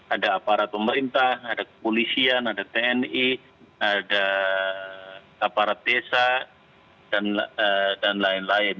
ada aparat pemerintah ada kepolisian ada tni ada aparat desa dan lain lain